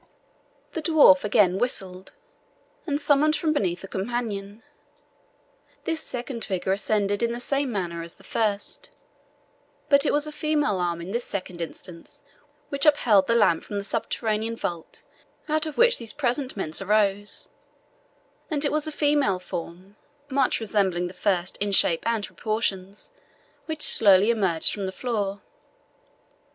The dwarf again whistled, and summoned from beneath a companion. This second figure ascended in the same manner as the first; but it was a female arm in this second instance which upheld the lamp from the subterranean vault out of which these presentments arose, and it was a female form, much resembling the first in shape and proportions, which slowly emerged from the floor.